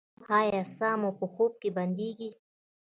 ایا ساه مو په خوب کې بندیږي؟